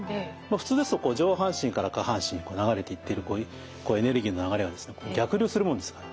普通ですと上半身から下半身へ流れていっているエネルギーの流れがですね逆流するもんですから。